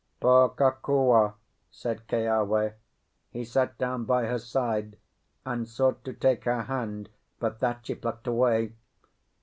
"Poor Kokua," said Keawe. He sat down by her side, and sought to take her hand; but that she plucked away.